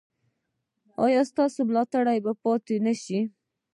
ایا ستاسو ملاتړ به پاتې نه شي؟